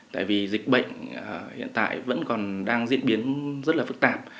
tại vì dịch bệnh hiện tại vẫn còn đang diễn biến rất là phức tạp